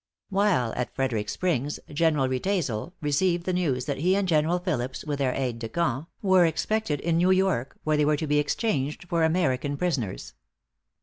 While at Frederic Springs, General Riedesel received the news that he and General Phillips, with their aids de camp, were expected in New York, where they were to be exchanged for American prisoners.